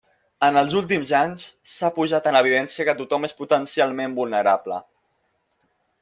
En els últims anys, s'ha posat en evidència que tothom és potencialment vulnerable.